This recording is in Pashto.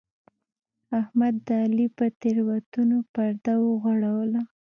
احمد د علي پر تېروتنو پرده وغوړوله.